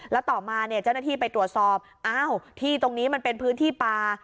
แล้วต่อมาเนี่ยเจ้าหน้าที่ไปตรวจสอบอ้าวที่ตรงนี้มันเป็นพื้นที่ป่า